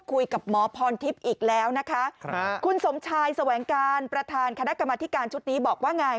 คุณสมชายแสวงการประธานคณะกรรมธิการชุดนี้บอกว่าไง